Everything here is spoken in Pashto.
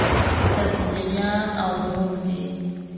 تبلیغیان او نور دي.